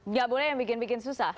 nggak boleh yang bikin bikin susah